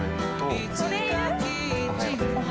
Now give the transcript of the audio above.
いつかキッチンを